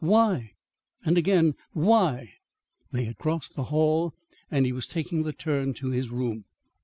Why? and again, why? They had crossed the hall and he was taking the turn to his room.